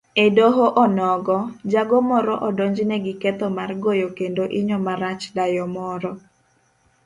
Edoho onogo, jago moro odonjne giketho mar goyo kendo inyo marach dayo moro